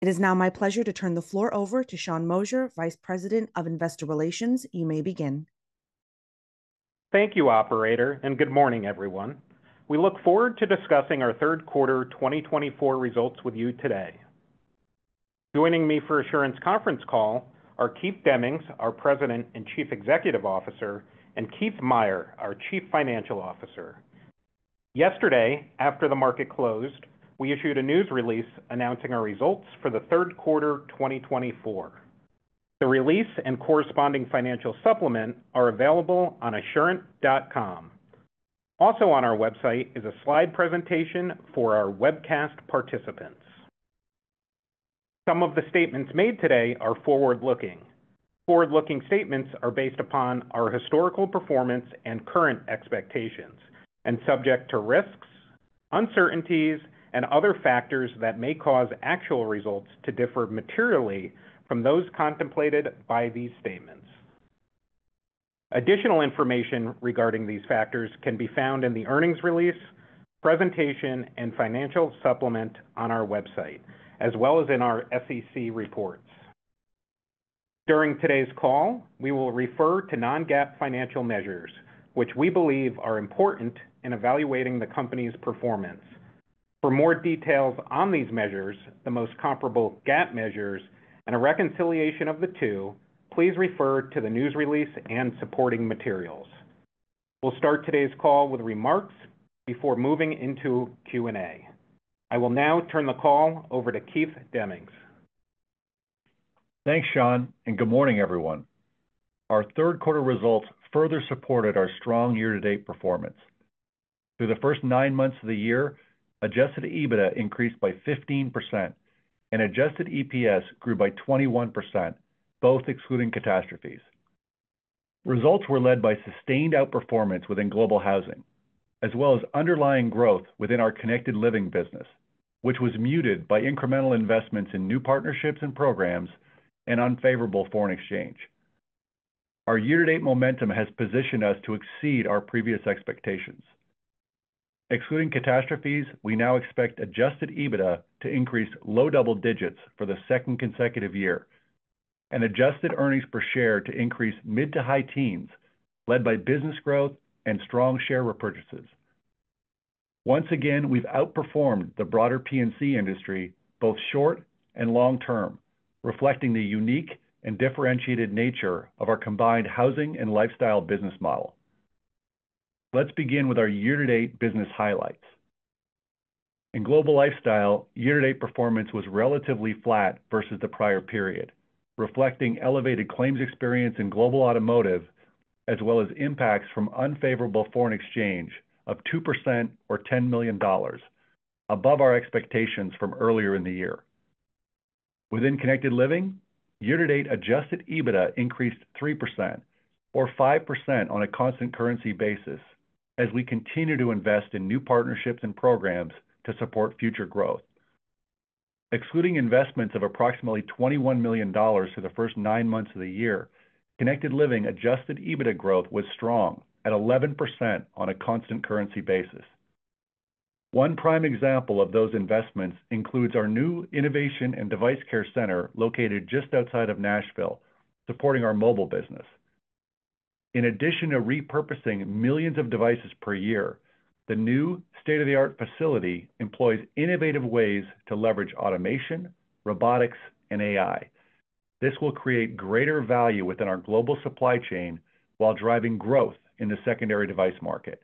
It is now my pleasure to turn the floor over to Sean Moshier, Vice President of Investor Relations. You may begin. Thank you, Operator, and good morning, everyone. We look forward to discussing our third quarter 2024 results with you today. Joining me for Assurant's conference call are Keith Demmings, our President and Chief Executive Officer, and Keith Meier, our Chief Financial Officer. Yesterday, after the market closed, we issued a news release announcing our results for the third quarter 2024. The release and corresponding financial supplement are available on assurant.com. Also on our website is a slide presentation for our webcast participants. Some of the statements made today are forward-looking. Forward-looking statements are based upon our historical performance and current expectations, and subject to risks, uncertainties, and other factors that may cause actual results to differ materially from those contemplated by these statements. Additional information regarding these factors can be found in the earnings release, presentation, and financial supplement on our website, as well as in our SEC reports. During today's call, we will refer to non-GAAP financial measures, which we believe are important in evaluating the company's performance. For more details on these measures, the most comparable GAAP measures, and a reconciliation of the two, please refer to the news release and supporting materials. We'll start today's call with remarks before moving into Q&A. I will now turn the call over to Keith Demmings. Thanks, Sean, and good morning, everyone. Our third quarter results further supported our strong year-to-date performance. Through the first nine months of the year, adjusted EBITDA increased by 15%, and adjusted EPS grew by 21%, both excluding catastrophes. Results were led by sustained outperformance within Global Housing, as well as underlying growth within our Connected Living business, which was muted by incremental investments in new partnerships and programs and unfavorable foreign exchange. Our year-to-date momentum has positioned us to exceed our previous expectations. Excluding catastrophes, we now expect adjusted EBITDA to increase low double digits for the second consecutive year, and adjusted earnings per share to increase mid to high teens, led by business growth and strong share repurchases. Once again, we've outperformed the broader P&C industry, both short and long term, reflecting the unique and differentiated nature of our combined Housing and Lifestyle business model. Let's begin with our year-to-date business highlights. In Global Lifestyle, year-to-date performance was relatively flat versus the prior period, reflecting elevated claims experience in Global Automotive, as well as impacts from unfavorable foreign exchange of 2% or $10 million, above our expectations from earlier in the year. Within Connected Living, year-to-date Adjusted EBITDA increased 3% or 5% on a constant currency basis, as we continue to invest in new partnerships and programs to support future growth. Excluding investments of approximately $21 million for the first nine months of the year, Connected Living Adjusted EBITDA growth was strong at 11% on a constant currency basis. One prime example of those investments includes our new innovation and device care center located just outside of Nashville, supporting our mobile business. In addition to repurposing millions of devices per year, the new state-of-the-art facility employs innovative ways to leverage automation, robotics, and AI. This will create greater value within our global supply chain while driving growth in the secondary device market.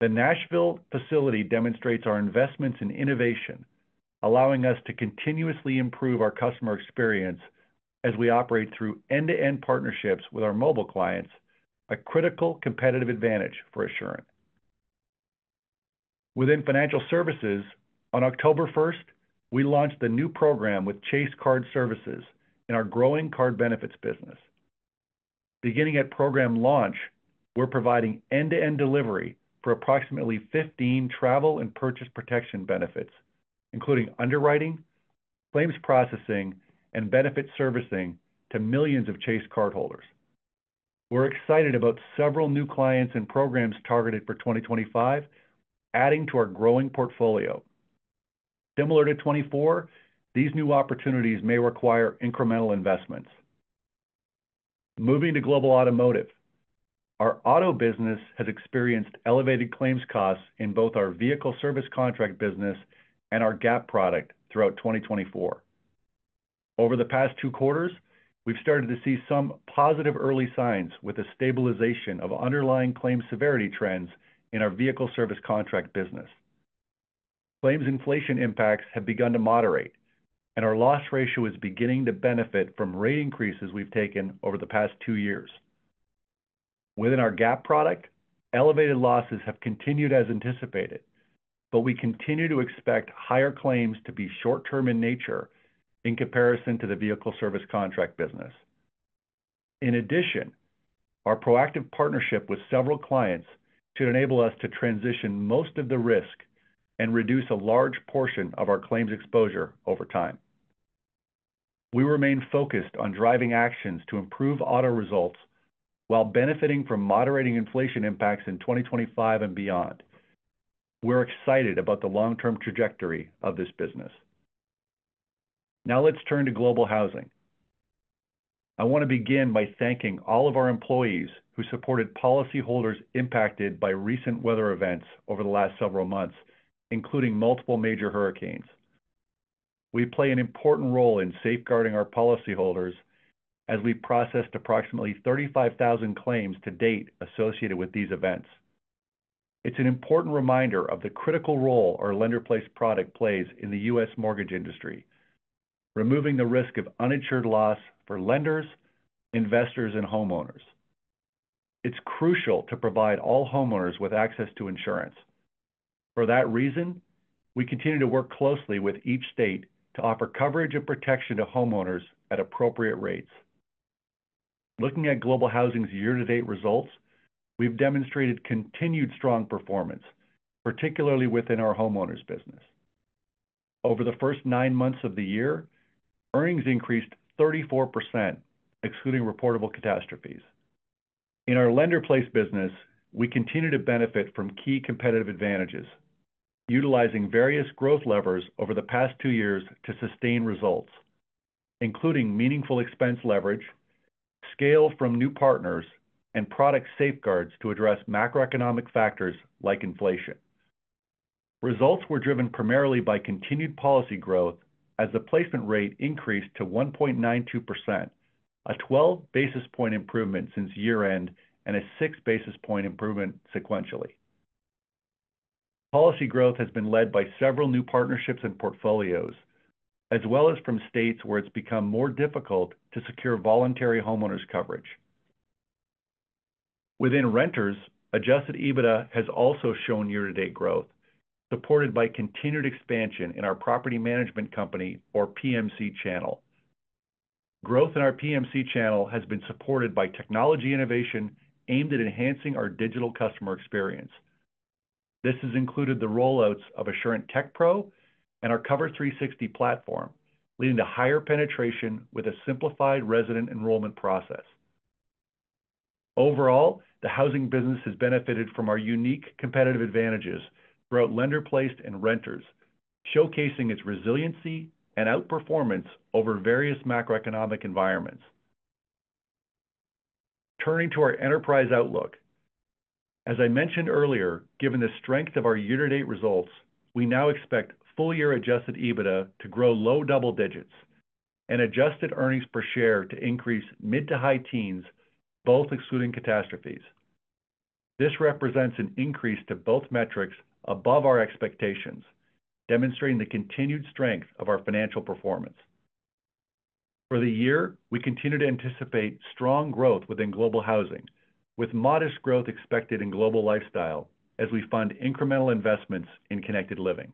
The Nashville facility demonstrates our investments in innovation, allowing us to continuously improve our customer experience as we operate through end-to-end partnerships with our mobile clients, a critical competitive advantage for Assurant. Within financial services, on October 1st, we launched the new program with Chase Card Services in our growing card benefits business. Beginning at program launch, we're providing end-to-end delivery for approximately 15 travel and purchase protection benefits, including underwriting, claims processing, and benefit servicing to millions of Chase cardholders. We're excited about several new clients and programs targeted for 2025, adding to our growing portfolio. Similar to 2024, these new opportunities may require incremental investments. Moving to Global Automotive, our auto business has experienced elevated claims costs in both our vehicle service contract business and our GAP product throughout 2024. Over the past two quarters, we've started to see some positive early signs with the stabilization of underlying claim severity trends in our vehicle service contract business. Claims inflation impacts have begun to moderate, and our loss ratio is beginning to benefit from rate increases we've taken over the past two years. Within our GAP product, elevated losses have continued as anticipated, but we continue to expect higher claims to be short-term in nature in comparison to the vehicle service contract business. In addition, our proactive partnership with several clients should enable us to transition most of the risk and reduce a large portion of our claims exposure over time. We remain focused on driving actions to improve auto results while benefiting from moderating inflation impacts in 2025 and beyond. We're excited about the long-term trajectory of this business. Now let's turn to Global Housing. I want to begin by thanking all of our employees who supported policyholders impacted by recent weather events over the last several months, including multiple major hurricanes. We play an important role in safeguarding our policyholders as we processed approximately 35,000 claims to date associated with these events. It's an important reminder of the critical role our lender-placed product plays in the U.S. mortgage industry, removing the risk of uninsured loss for lenders, investors, and homeowners. It's crucial to provide all homeowners with access to insurance. For that reason, we continue to work closely with each state to offer coverage and protection to homeowners at appropriate rates. Looking at Global Housing's year-to-date results, we've demonstrated continued strong performance, particularly within our homeowners business. Over the first nine months of the year, earnings increased 34%, excluding reportable catastrophes. In our Lender-Placed business, we continue to benefit from key competitive advantages, utilizing various growth levers over the past two years to sustain results, including meaningful expense leverage, scale from new partners, and product safeguards to address macroeconomic factors like inflation. Results were driven primarily by continued policy growth as the Placement Rate increased to 1.92%, a 12 basis points improvement since year-end, and a 6 basis points improvement sequentially. Policy growth has been led by several new partnerships and portfolios, as well as from states where it's become more difficult to secure voluntary homeowners coverage. Within renters, Adjusted EBITDA has also shown year-to-date growth, supported by continued expansion in our Property Management Company, or PMC, channel. Growth in our PMC channel has been supported by technology innovation aimed at enhancing our digital customer experience. This has included the rollouts of Assurant TechPro and our Cover360 platform, leading to higher penetration with a simplified resident enrollment process. Overall, the housing business has benefited from our unique competitive advantages throughout lender-placed and renters, showcasing its resiliency and outperformance over various macroeconomic environments. Turning to our enterprise outlook, as I mentioned earlier, given the strength of our year-to-date results, we now expect full-year Adjusted EBITDA to grow low double digits and adjusted earnings per share to increase mid to high teens, both excluding catastrophes. This represents an increase to both metrics above our expectations, demonstrating the continued strength of our financial performance. For the year, we continue to anticipate strong growth within Global Housing, with modest growth expected in Global Lifestyle as we fund incremental investments in Connected Living.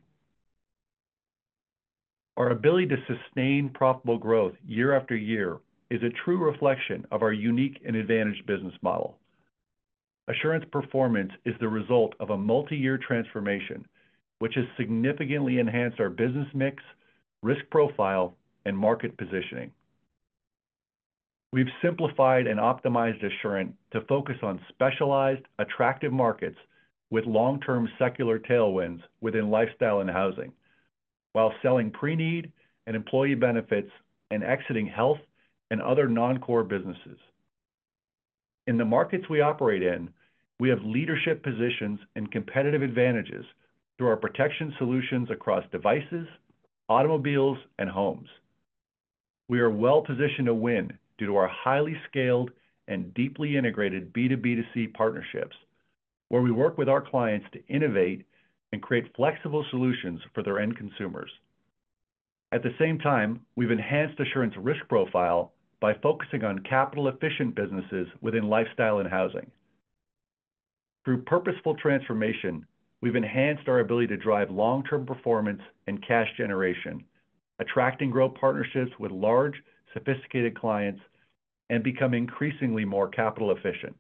Our ability to sustain profitable growth year after year is a true reflection of our unique and advantaged business model. Assurant's performance is the result of a multi-year transformation, which has significantly enhanced our business mix, risk profile, and market positioning. We've simplified and optimized Assurant to focus on specialized, attractive markets with long-term secular tailwinds within lifestyle and housing, while selling pre-need and employee benefits and exiting health and other non-core businesses. In the markets we operate in, we have leadership positions and competitive advantages through our protection solutions across devices, automobiles, and homes. We are well positioned to win due to our highly scaled and deeply integrated B2B2C partnerships, where we work with our clients to innovate and create flexible solutions for their end consumers. At the same time, we've enhanced Assurant's risk profile by focusing on capital-efficient businesses within lifestyle and housing. Through purposeful transformation, we've enhanced our ability to drive long-term performance and cash generation, attracting growth partnerships with large, sophisticated clients, and become increasingly more capital-efficient.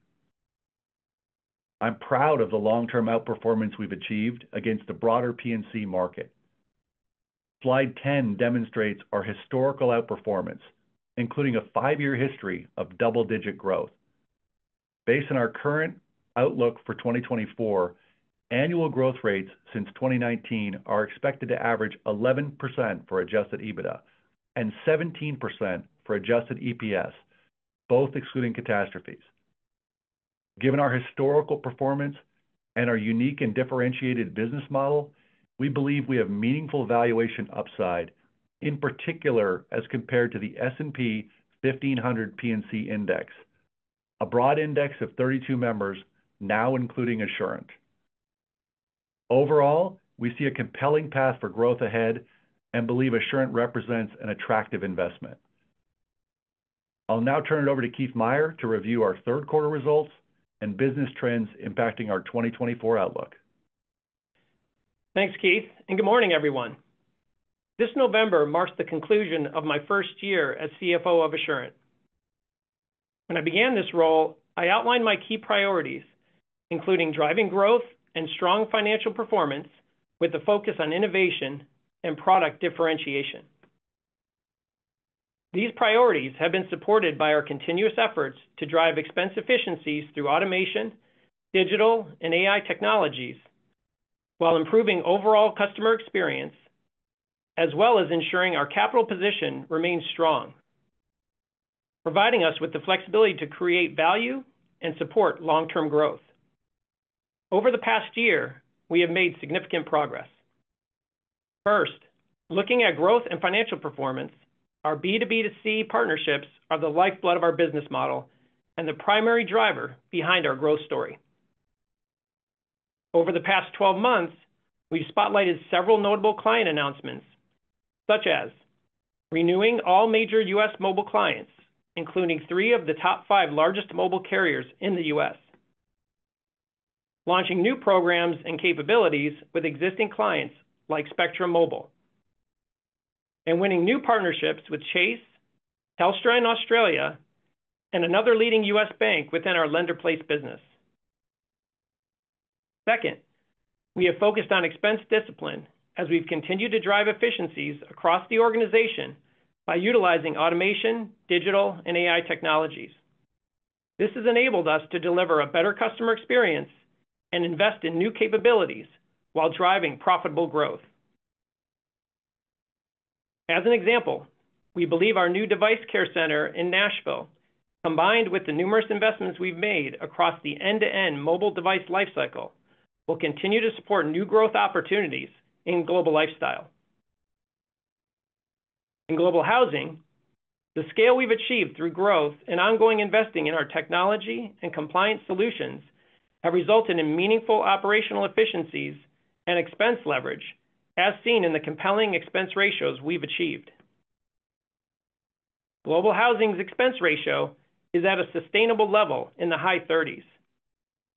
I'm proud of the long-term outperformance we've achieved against the broader P&C market. Slide 10 demonstrates our historical outperformance, including a five-year history of double-digit growth. Based on our current outlook for 2024, annual growth rates since 2019 are expected to average 11% for Adjusted EBITDA and 17% for Adjusted EPS, both excluding catastrophes. Given our historical performance and our unique and differentiated business model, we believe we have meaningful valuation upside, in particular as compared to the S&P 1500 P&C Index, a broad index of 32 members now including Assurant. Overall, we see a compelling path for growth ahead and believe Assurant represents an attractive investment. I'll now turn it over to Keith Meier to review our third quarter results and business trends impacting our 2024 outlook. Thanks, Keith, and good morning, everyone. This November marks the conclusion of my first year as CFO of Assurant. When I began this role, I outlined my key priorities, including driving growth and strong financial performance with a focus on innovation and product differentiation. These priorities have been supported by our continuous efforts to drive expense efficiencies through automation, digital, and AI technologies, while improving overall customer experience, as well as ensuring our capital position remains strong, providing us with the flexibility to create value and support long-term growth. Over the past year, we have made significant progress. First, looking at growth and financial performance, our B2B2C partnerships are the lifeblood of our business model and the primary driver behind our growth story. Over the past 12 months, we've spotlighted several notable client announcements, such as renewing all major U.S. mobile clients, including three of the top five largest mobile carriers in the U.S., launching new programs and capabilities with existing clients like Spectrum Mobile, and winning new partnerships with Chase, Telstra in Australia, and another leading U.S. bank within our lender-placed business. Second, we have focused on expense discipline as we've continued to drive efficiencies across the organization by utilizing automation, digital, and AI technologies. This has enabled us to deliver a better customer experience and invest in new capabilities while driving profitable growth. As an example, we believe our new device care center in Nashville, combined with the numerous investments we've made across the end-to-end mobile device lifecycle, will continue to support new growth opportunities in Global Lifestyle. In Global Housing, the scale we've achieved through growth and ongoing investing in our technology and compliance solutions have resulted in meaningful operational efficiencies and expense leverage, as seen in the compelling expense ratios we've achieved. Global Housing's expense ratio is at a sustainable level in the high 30s,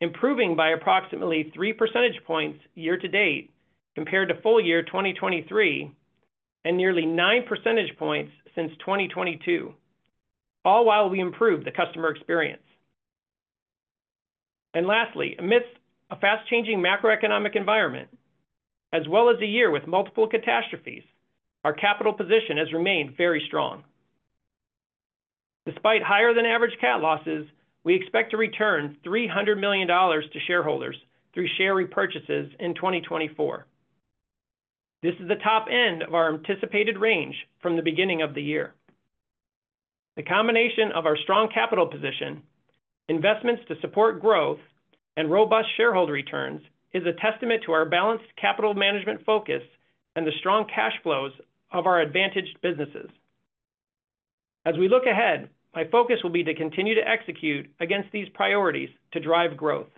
improving by approximately 3 percentage points year-to-date compared to full year 2023 and nearly 9 percentage points since 2022, all while we improve the customer experience. And lastly, amidst a fast-changing macroeconomic environment, as well as a year with multiple catastrophes, our capital position has remained very strong. Despite higher-than-average CAT losses, we expect to return $300 million to shareholders through share repurchases in 2024. This is the top end of our anticipated range from the beginning of the year. The combination of our strong capital position, investments to support growth, and robust shareholder returns is a testament to our balanced capital management focus and the strong cash flows of our advantaged businesses. As we look ahead, my focus will be to continue to execute against these priorities to drive growth.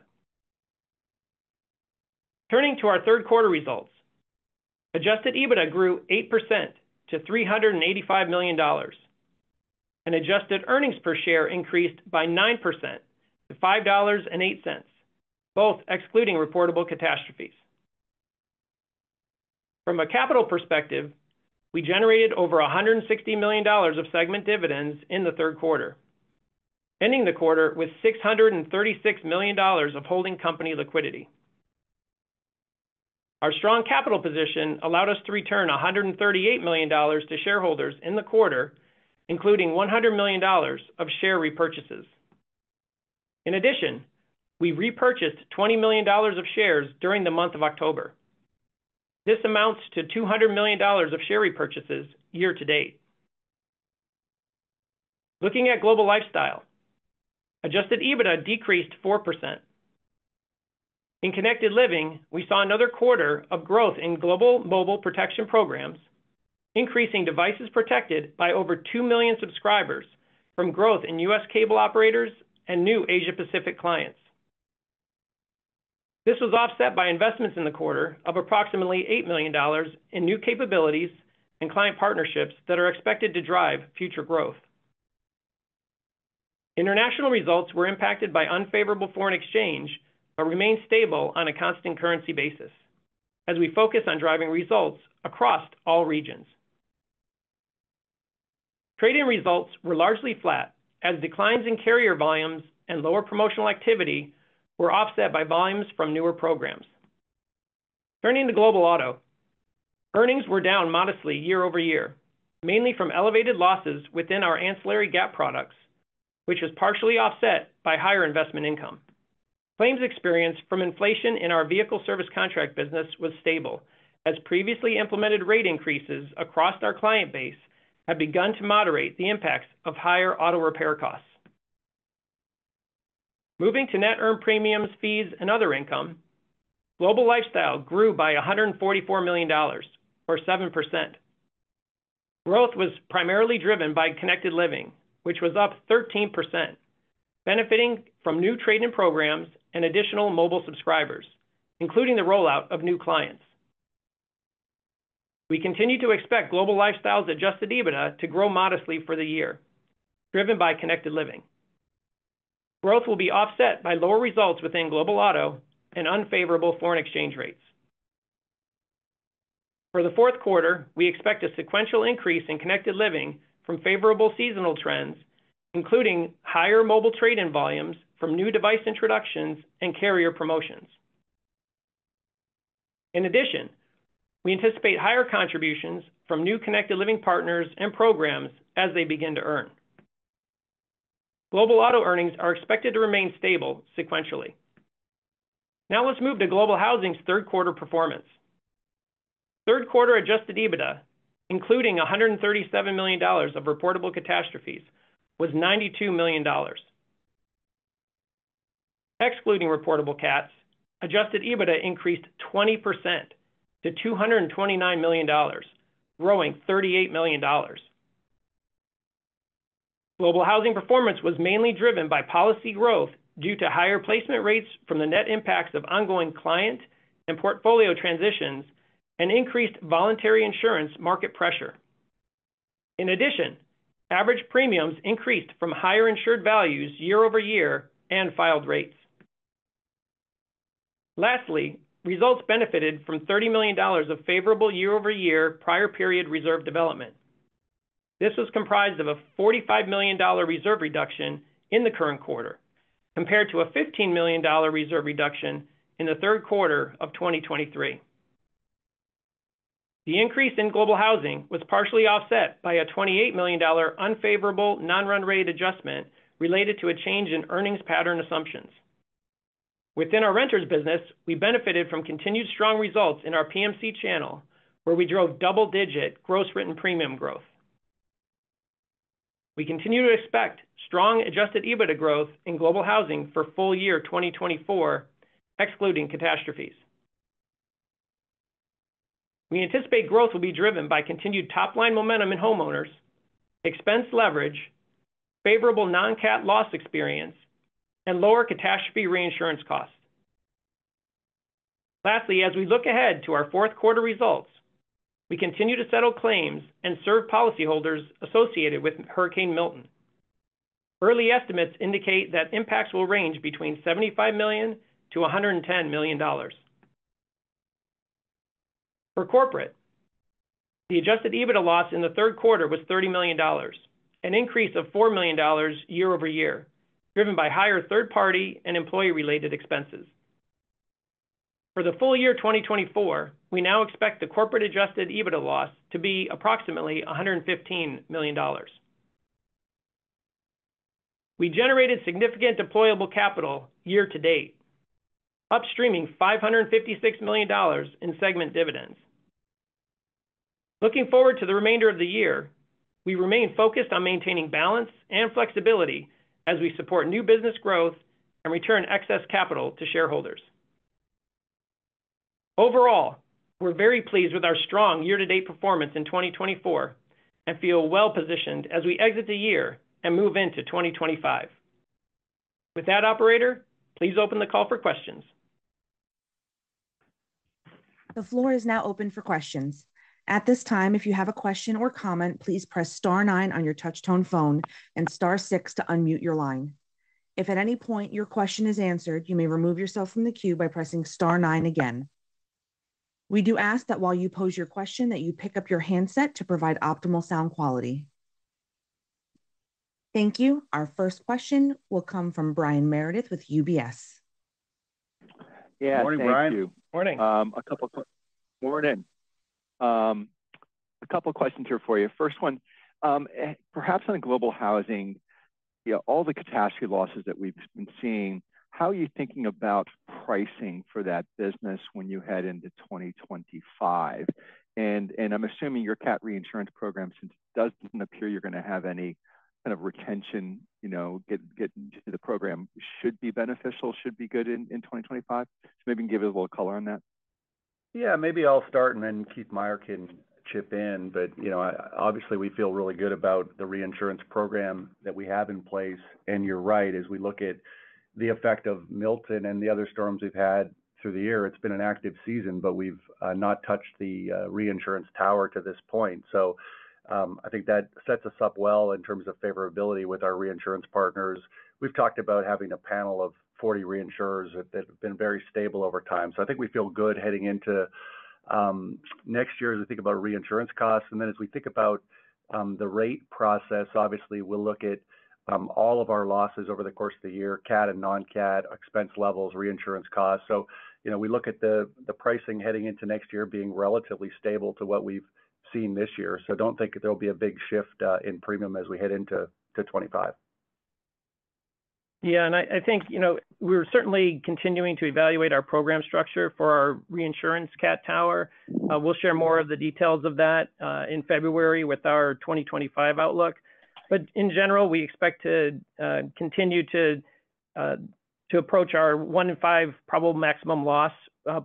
Turning to our third quarter results, adjusted EBITDA grew 8% to $385 million, and adjusted earnings per share increased by 9% to $5.08, both excluding reportable catastrophes. From a capital perspective, we generated over $160 million of segment dividends in the third quarter, ending the quarter with $636 million of holding company liquidity. Our strong capital position allowed us to return $138 million to shareholders in the quarter, including $100 million of share repurchases. In addition, we repurchased $20 million of shares during the month of October. This amounts to $200 million of share repurchases year-to-date. Looking at Global Lifestyle, Adjusted EBITDA decreased 4%. In Connected Living, we saw another quarter of growth in global mobile protection programs, increasing devices protected by over two million subscribers from growth in U.S. cable operators and new Asia-Pacific clients. This was offset by investments in the quarter of approximately $8 million in new capabilities and client partnerships that are expected to drive future growth. International results were impacted by unfavorable foreign exchange but remained stable on a constant currency basis as we focus on driving results across all regions. Trade-in results were largely flat as declines in carrier volumes and lower promotional activity were offset by volumes from newer programs. Turning to Global Auto, earnings were down modestly year-over-year, mainly from elevated losses within our ancillary GAP products, which was partially offset by higher investment income. Claims experience from inflation in our vehicle service contract business was stable as previously implemented rate increases across our client base had begun to moderate the impacts of higher auto repair costs. Moving to net earned premiums, fees, and other income, Global Lifestyle grew by $144 million, or 7%. Growth was primarily driven by Connected Living, which was up 13%, benefiting from new trade-in programs and additional mobile subscribers, including the rollout of new clients. We continue to expect Global Lifestyle's Adjusted EBITDA to grow modestly for the year, driven by Connected Living. Growth will be offset by lower results within Global Auto and unfavorable foreign exchange rates. For the fourth quarter, we expect a sequential increase in Connected Living from favorable seasonal trends, including higher mobile trade-in volumes from new device introductions and carrier promotions. In addition, we anticipate higher contributions from new connected living partners and programs as they begin to earn. Global Auto Earnings are expected to remain stable sequentially. Now let's move to global housing's third quarter performance. Third quarter adjusted EBITDA, including $137 million of reportable catastrophes, was $92 million. Excluding reportable CATs, adjusted EBITDA increased 20% to $229 million, growing $38 million. Global housing performance was mainly driven by policy growth due to higher placement rates from the net impacts of ongoing client and portfolio transitions and increased voluntary insurance market pressure. In addition, average premiums increased from higher insured values year-over-year and filed rates. Lastly, results benefited from $30 million of favorable year-over-year prior period reserve development. This was comprised of a $45 million reserve reduction in the current quarter, compared to a $15 million reserve reduction in the third quarter of 2023. The increase in Global Housing was partially offset by a $28 million unfavorable non-run rate adjustment related to a change in earnings pattern assumptions. Within our renters business, we benefited from continued strong results in our PMC channel, where we drove double-digit gross written premium growth. We continue to expect strong Adjusted EBITDA growth in Global Housing for full year 2024, excluding catastrophes. We anticipate growth will be driven by continued top-line momentum in homeowners, expense leverage, favorable non-CAT loss experience, and lower catastrophe reinsurance costs. Lastly, as we look ahead to our fourth quarter results, we continue to settle claims and serve policyholders associated with Hurricane Milton. Early estimates indicate that impacts will range between $75 million to $110 million. For corporate, the Adjusted EBITDA loss in the third quarter was $30 million, an increase of $4 million year-over-year, driven by higher third-party and employee-related expenses. For the full year 2024, we now expect the corporate Adjusted EBITDA loss to be approximately $115 million. We generated significant deployable capital year-to-date, upstreaming $556 million in segment dividends. Looking forward to the remainder of the year, we remain focused on maintaining balance and flexibility as we support new business growth and return excess capital to shareholders. Overall, we're very pleased with our strong year-to-date performance in 2024 and feel well-positioned as we exit the year and move into 2025. With that, Operator, please open the call for questions. The floor is now open for questions. At this time, if you have a question or comment, please press Star nine on your touch-tone phone and Star six to unmute your line. If at any point your question is answered, you may remove yourself from the queue by pressing Star nine again. We do ask that while you pose your question, that you pick up your handset to provide optimal sound quality. Thank you. Our first question will come from Brian Meredith with UBS. Yeah. Morning, Brian. Morning. A couple of questions. Morning. Morning. A couple of questions here for you. First one, perhaps on Global Housing, all the catastrophe losses that we've been seeing, how are you thinking about pricing for that business when you head into 2025? And I'm assuming your CAT reinsurance program, since it doesn't appear you're going to have any kind of retention, getting to the program, should be beneficial, should be good in 2025? So maybe you can give a little color on that. Yeah. Maybe I'll start and then Keith Meier can chip in. But obviously, we feel really good about the reinsurance program that we have in place. And you're right, as we look at the effect of Milton and the other storms we've had through the year. It's been an active season, but we've not touched the reinsurance tower to this point. So I think that sets us up well in terms of favorability with our reinsurance partners. We've talked about having a panel of 40 reinsurers that have been very stable over time. So I think we feel good heading into next year as we think about reinsurance costs. And then as we think about the rate process, obviously, we'll look at all of our losses over the course of the year, CAT and non-CAT, expense levels, reinsurance costs. So we look at the pricing heading into next year being relatively stable to what we've seen this year. So I don't think there'll be a big shift in premium as we head into 2025. Yeah. And I think we're certainly continuing to evaluate our program structure for our reinsurance CAT tower. We'll share more of the details of that in February with our 2025 outlook. But in general, we expect to continue to approach our one-in-five probable maximum loss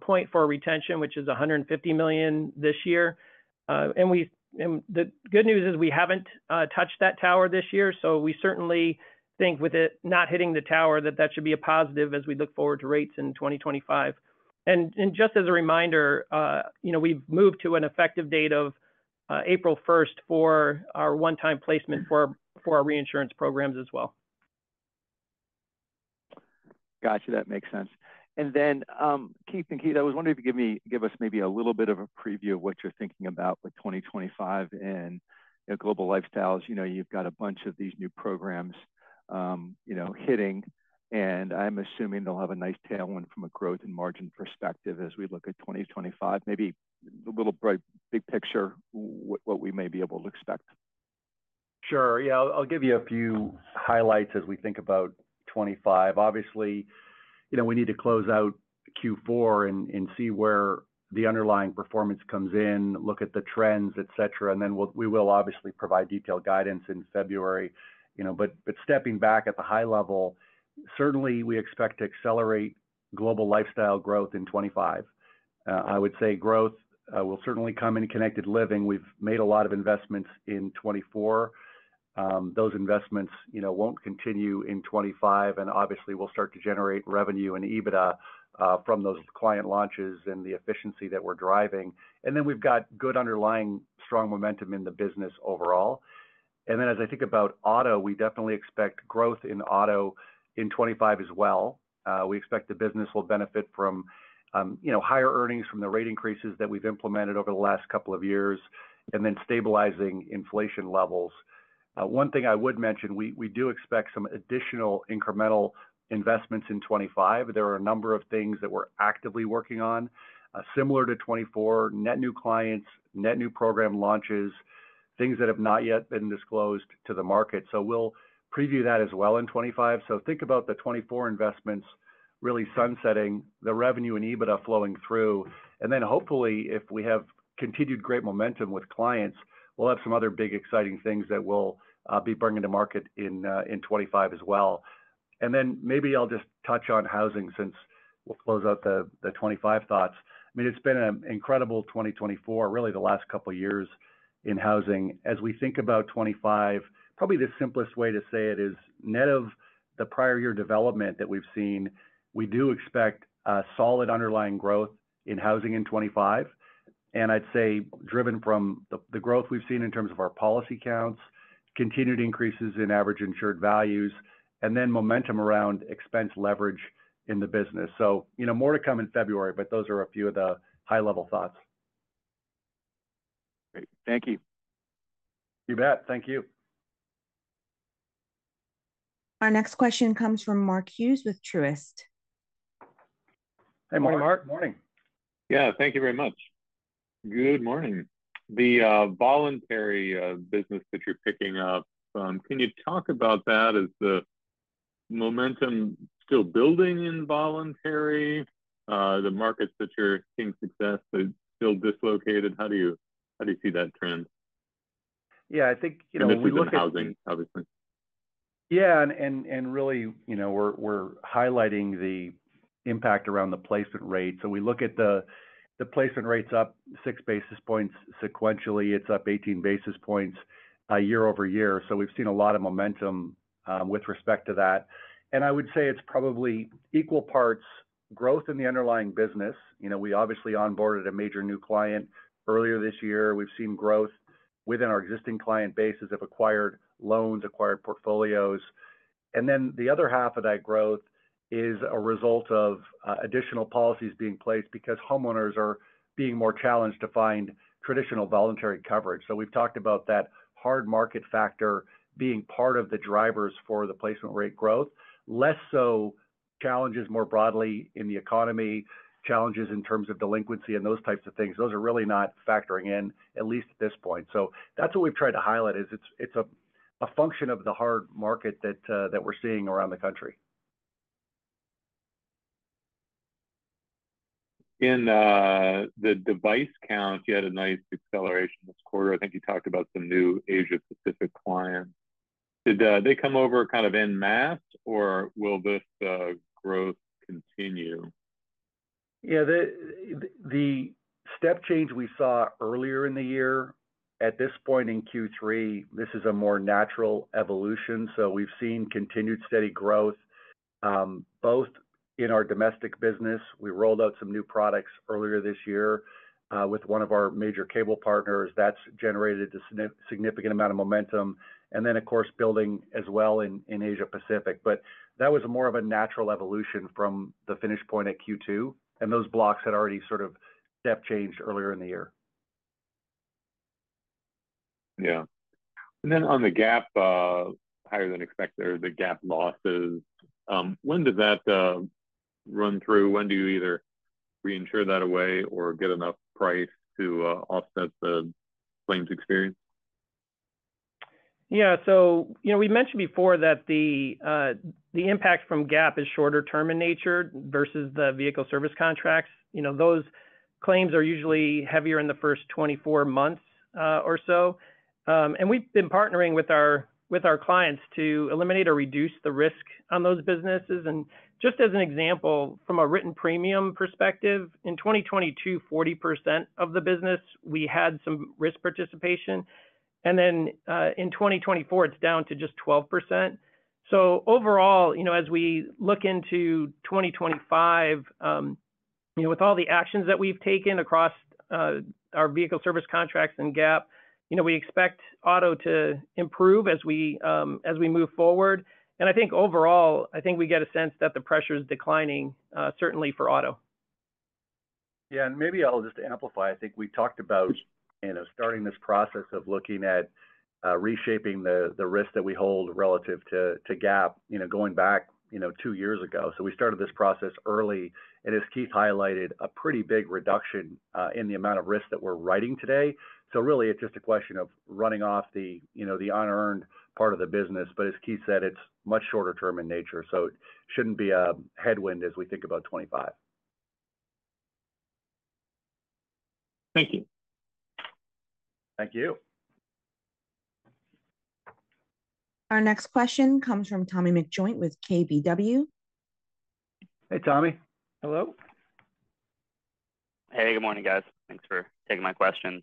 point for retention, which is $150 million this year. And the good news is we haven't touched that tower this year. So we certainly think with it not hitting the tower that that should be a positive as we look forward to rates in 2025. And just as a reminder, we've moved to an effective date of April 1st for our one-time placement for our reinsurance programs as well. Gotcha. That makes sense. And then, Keith and Keith, I was wondering if you could give us maybe a little bit of a preview of what you're thinking about with 2025 and Global Lifestyle. You've got a bunch of these new programs hitting. And I'm assuming they'll have a nice tailwind from a growth and margin perspective as we look at 2025. Maybe a little big picture, what we may be able to expect? Sure. Yeah. I'll give you a few highlights as we think about 2025. Obviously, we need to close out Q4 and see where the underlying performance comes in, look at the trends, etc., and then we will obviously provide detailed guidance in February, but stepping back at the high level, certainly, we expect to accelerate Global Lifestyle growth in 2025. I would say growth will certainly come in Connected Living. We've made a lot of investments in 2024. Those investments won't continue in 2025, and obviously, we'll start to generate revenue and EBITDA from those client launches and the efficiency that we're driving, and then we've got good underlying strong momentum in the business overall, and then as I think about auto, we definitely expect growth in auto in 2025 as well. We expect the business will benefit from higher earnings from the rate increases that we've implemented over the last couple of years and then stabilizing inflation levels. One thing I would mention, we do expect some additional incremental investments in 2025. There are a number of things that we're actively working on, similar to 2024, net new clients, net new program launches, things that have not yet been disclosed to the market, so we'll preview that as well in 2025, so think about the 2024 investments really sunsetting, the revenue and EBITDA flowing through, and then hopefully, if we have continued great momentum with clients, we'll have some other big exciting things that we'll be bringing to market in 2025 as well, and then maybe I'll just touch on housing since we'll close out the 2025 thoughts. I mean, it's been an incredible 2024, really the last couple of years in housing. As we think about 2025, probably the simplest way to say it is net of the prior year development that we've seen, we do expect solid underlying growth in housing in 2025. And I'd say driven from the growth we've seen in terms of our policy counts, continued increases in average insured values, and then momentum around expense leverage in the business. So more to come in February, but those are a few of the high-level thoughts. Great. Thank you. You bet. Thank you. Our next question comes from Mark Hughes with Truist. Hey, Mark. Hey, Mark. Morning. Yeah. Thank you very much. Good morning. The voluntary business that you're picking up, can you talk about that? Is the momentum still building in voluntary? The markets that you're seeing success, they're still dislocated? How do you see that trend? Yeah. I think. This is with housing, obviously. Yeah. And really, we're highlighting the impact around the placement rate. So we look at the placement rates up six basis points sequentially. It's up 18 basis points year-over-year. So we've seen a lot of momentum with respect to that. And I would say it's probably equal parts growth in the underlying business. We obviously onboarded a major new client earlier this year. We've seen growth within our existing client bases of acquired loans, acquired portfolios. And then the other half of that growth is a result of additional policies being placed because homeowners are being more challenged to find traditional voluntary coverage. So we've talked about that hard market factor being part of the drivers for the placement rate growth, less so challenges more broadly in the economy, challenges in terms of delinquency and those types of things. Those are really not factoring in, at least at this point. So that's what we've tried to highlight is it's a function of the hard market that we're seeing around the country. In the device count, you had a nice acceleration this quarter. I think you talked about some new Asia-Pacific clients. Did they come over kind of en masse, or will this growth continue? Yeah. The step change we saw earlier in the year, at this point in Q3, this is a more natural evolution. So we've seen continued steady growth both in our domestic business. We rolled out some new products earlier this year with one of our major cable partners. That's generated a significant amount of momentum. And then, of course, building as well in Asia-Pacific. But that was more of a natural evolution from the finish point at Q2. And those blocks had already sort of step changed earlier in the year. Yeah. And then on the gap, higher than expected, or the gap losses, when does that run through? When do you either reinsure that away or get enough price to offset the claims experience? Yeah. So we mentioned before that the impact from gap is shorter-term in nature versus the vehicle service contracts. Those claims are usually heavier in the first 24 months or so. And we've been partnering with our clients to eliminate or reduce the risk on those businesses. And just as an example, from a written premium perspective, in 2022, 40% of the business we had some risk participation. And then in 2024, it's down to just 12%. So overall, as we look into 2025, with all the actions that we've taken across our vehicle service contracts and gap, we expect auto to improve as we move forward. And I think overall, I think we get a sense that the pressure is declining, certainly for auto. Yeah. And maybe I'll just amplify. I think we talked about starting this process of looking at reshaping the risk that we hold relative to GAP going back two years ago. So we started this process early. And as Keith highlighted, a pretty big reduction in the amount of risk that we're writing today. So really, it's just a question of running off the unearned part of the business. But as Keith said, it's much shorter-term in nature. So it shouldn't be a headwind as we think about 2025. Thank you. Thank you. Our next question comes from Tommy McJoynt with KBW. Hey, Tommy. Hello. Hey. Good morning, guys. Thanks for taking my question.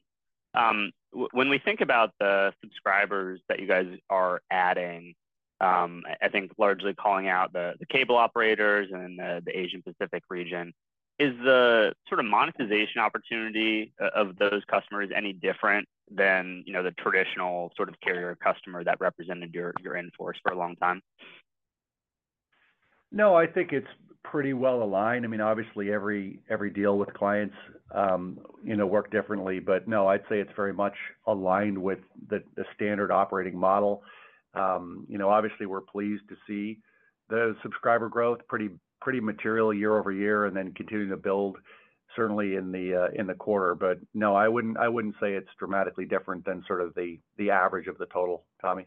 When we think about the subscribers that you guys are adding, I think largely calling out the cable operators and the Asia-Pacific region, is the sort of monetization opportunity of those customers any different than the traditional sort of carrier customer that represented your invoice for a long time? No, I think it's pretty well aligned. I mean, obviously, every deal with clients work differently. But no, I'd say it's very much aligned with the standard operating model. Obviously, we're pleased to see the subscriber growth, pretty material year over year, and then continuing to build certainly in the quarter. But no, I wouldn't say it's dramatically different than sort of the average of the total, Tommy.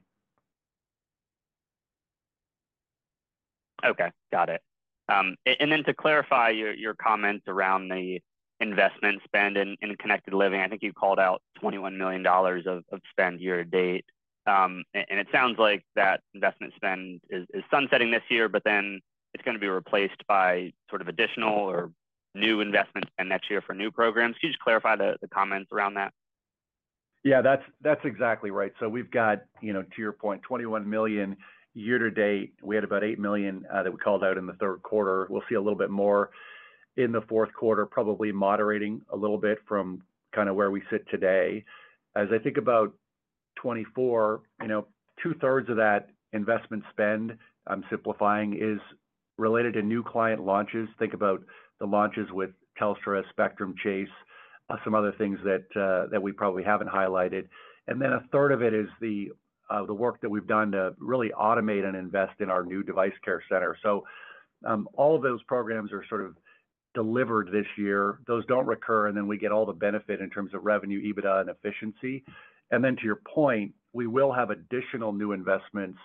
Okay. Got it. And then to clarify your comments around the investment spend in connected living, I think you called out $21 million of spend year to date. And it sounds like that investment spend is sunsetting this year, but then it's going to be replaced by sort of additional or new investment spend next year for new programs. Can you just clarify the comments around that? Yeah. That's exactly right. So we've got, to your point, 21 million year to date. We had about 8 million that we called out in the third quarter. We'll see a little bit more in the fourth quarter, probably moderating a little bit from kind of where we sit today. As I think about 2024, two-thirds of that investment spend, I'm simplifying, is related to new client launches. Think about the launches with Telstra, Spectrum, Chase, some other things that we probably haven't highlighted. And then a third of it is the work that we've done to really automate and invest in our new device care center. So all of those programs are sort of delivered this year. Those don't recur. And then we get all the benefit in terms of revenue, EBITDA, and efficiency. And then to your point, we will have additional new investments,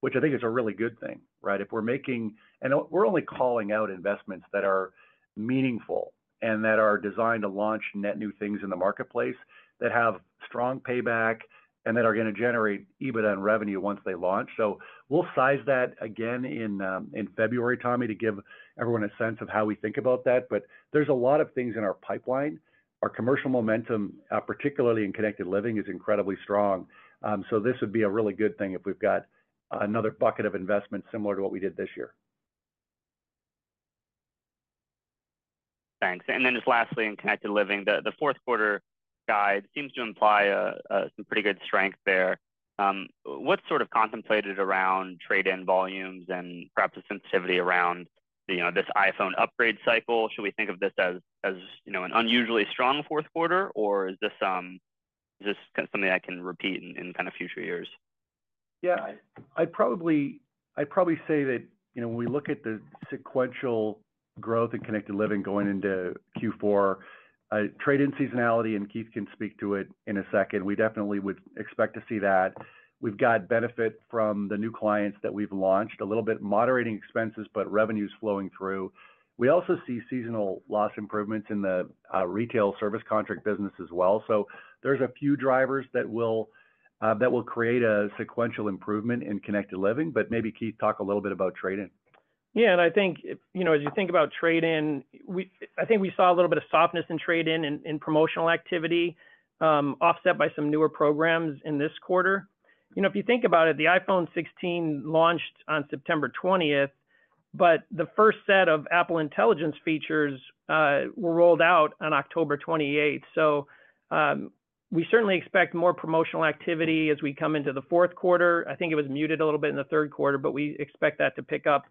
which I think is a really good thing, right? If we're making, and we're only calling out investments that are meaningful and that are designed to launch net new things in the marketplace that have strong payback and that are going to generate EBITDA and revenue once they launch. So we'll size that again in February, Tommy, to give everyone a sense of how we think about that. But there's a lot of things in our pipeline. Our commercial momentum, particularly in connected living, is incredibly strong. So this would be a really good thing if we've got another bucket of investment similar to what we did this year. Thanks. And then just lastly, in Connected Living, the fourth quarter guide seems to imply some pretty good strength there. What's sort of contemplated around trade-in volumes and perhaps a sensitivity around this iPhone upgrade cycle? Should we think of this as an unusually strong fourth quarter, or is this something that can repeat in kind of future years? Yeah. I'd probably say that when we look at the sequential growth in Connected Living going into Q4, trade-in seasonality, and Keith can speak to it in a second, we definitely would expect to see that. We've got benefit from the new clients that we've launched, a little bit moderating expenses, but revenues flowing through. We also see seasonal loss improvements in the retail service contract business as well. So there's a few drivers that will create a sequential improvement in Connected Living. But maybe Keith, talk a little bit about trade-in. Yeah, and I think as you think about trade-in, I think we saw a little bit of softness in trade-in and promotional activity offset by some newer programs in this quarter. If you think about it, the iPhone 16 launched on September 20th, but the first set of Apple Intelligence features were rolled out on October 28th, so we certainly expect more promotional activity as we come into the fourth quarter. I think it was muted a little bit in the third quarter, but we expect that to pick up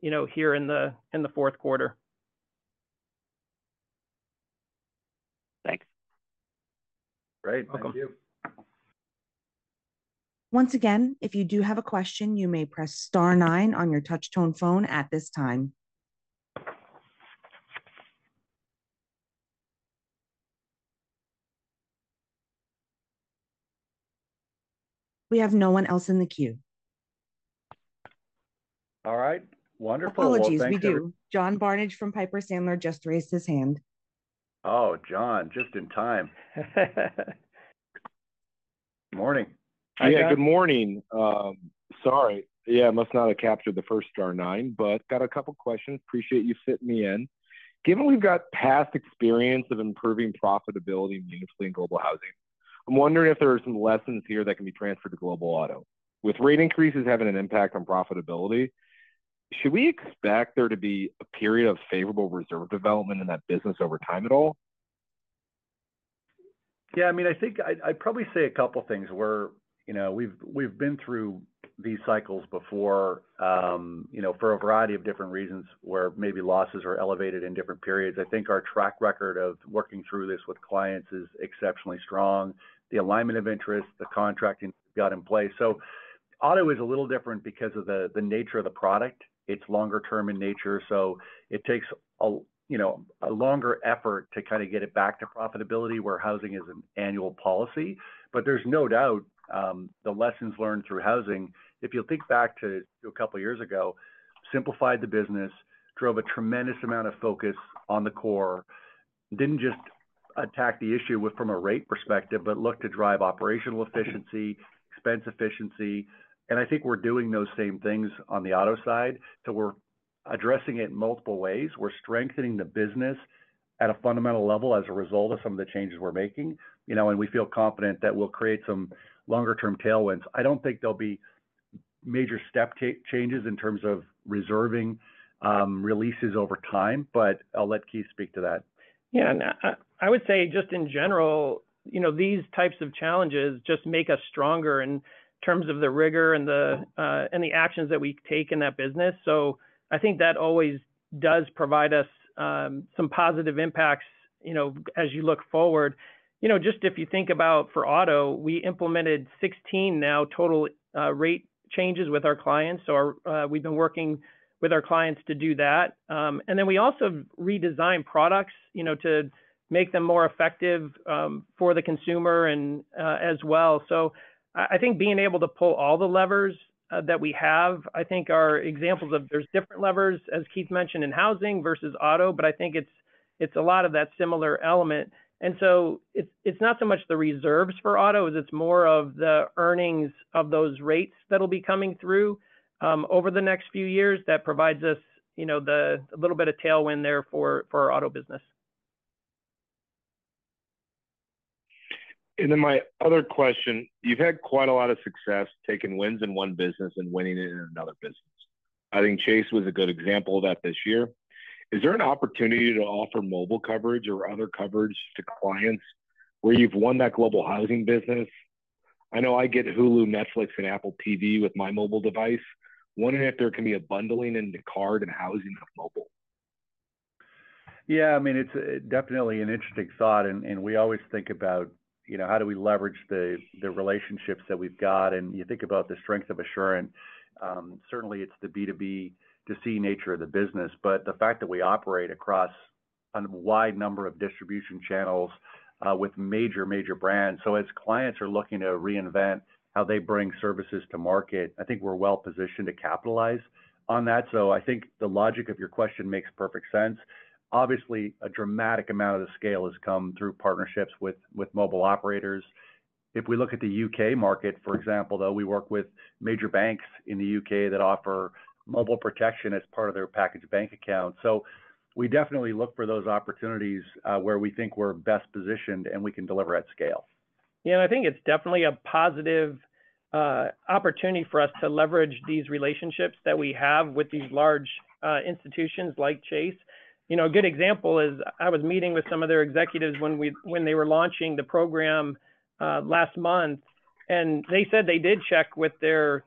here in the fourth quarter. Thanks. Great. Thank you. Once again, if you do have a question, you may press star nine on your touch-tone phone at this time. We have no one else in the queue. All right. Wonderful. Apologies. We do. John Barnidge from Piper Sandler just raised his hand. Oh, John, just in time. Morning. Hey. Hey. Good morning. Sorry. Yeah. I must not have captured the first star nine, but got a couple of questions. Appreciate you fitting me in. Given we've got past experience of improving profitability meaningfully in Global Housing, I'm wondering if there are some lessons here that can be transferred to Global Auto. With rate increases having an impact on profitability, should we expect there to be a period of favorable reserve development in that business over time at all? Yeah. I mean, I think I'd probably say a couple of things. We've been through these cycles before for a variety of different reasons where maybe losses are elevated in different periods. I think our track record of working through this with clients is exceptionally strong. The alignment of interest, the contracting got in place. So auto is a little different because of the nature of the product. It's longer-term in nature. So it takes a longer effort to kind of get it back to profitability where housing is an annual policy. But there's no doubt the lessons learned through housing, if you think back to a couple of years ago, simplified the business, drove a tremendous amount of focus on the core, didn't just attack the issue from a rate perspective, but looked to drive operational efficiency, expense efficiency. And I think we're doing those same things on the auto side. So we're addressing it in multiple ways. We're strengthening the business at a fundamental level as a result of some of the changes we're making. And we feel confident that we'll create some longer-term tailwinds. I don't think there'll be major step changes in terms of reserving releases over time, but I'll let Keith speak to that. Yeah. And I would say just in general, these types of challenges just make us stronger in terms of the rigor and the actions that we take in that business. So I think that always does provide us some positive impacts as you look forward. Just if you think about for auto, we implemented 16 now total rate changes with our clients. So we've been working with our clients to do that. And then we also redesign products to make them more effective for the consumer as well. So I think being able to pull all the levers that we have, I think our examples of there's different levers, as Keith mentioned, in housing versus auto, but I think it's a lot of that similar element. And so it's not so much the reserves for auto as it's more of the earnings of those rates that will be coming through over the next few years that provides us a little bit of tailwind there for our auto business. And then my other question. You've had quite a lot of success taking wins in one business and winning it in another business. I think Chase was a good example of that this year. Is there an opportunity to offer mobile coverage or other coverage to clients where you've won that global housing business? I know I get Hulu, Netflix, and Apple TV with my mobile device. Wondering if there can be a bundling into card and housing of mobile? Yeah. I mean, it's definitely an interesting thought. We always think about how do we leverage the relationships that we've got. You think about the strength of Assurant. Certainly, it's the B2B2C nature of the business. But the fact that we operate across a wide number of distribution channels with major, major brands. Clients are looking to reinvent how they bring services to market. I think we're well positioned to capitalize on that. I think the logic of your question makes perfect sense. Obviously, a dramatic amount of the scale has come through partnerships with mobile operators. If we look at the U.K. market, for example, though, we work with major banks in the U.K. that offer mobile protection as part of their package bank account. So we definitely look for those opportunities where we think we're best positioned and we can deliver at scale. Yeah. And I think it's definitely a positive opportunity for us to leverage these relationships that we have with these large institutions like Chase. A good example is I was meeting with some of their executives when they were launching the program last month. And they said they did check with their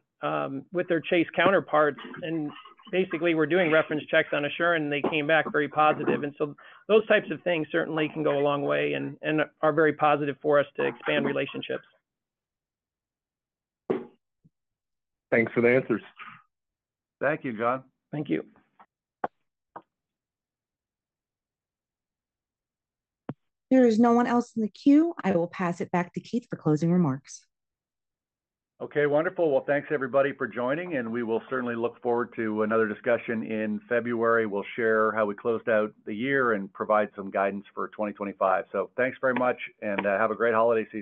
Chase counterparts. And basically, we're doing reference checks on Assurant, and they came back very positive. And so those types of things certainly can go a long way and are very positive for us to expand relationships. Thanks for the answers. Thank you, John. Thank you. There is no one else in the queue. I will pass it back to Keith for closing remarks. Okay. Wonderful. Well, thanks, everybody, for joining. And we will certainly look forward to another discussion in February. We'll share how we closed out the year and provide some guidance for 2025. So thanks very much, and have a great holiday season.